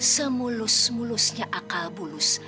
semulus mulusnya akal bulus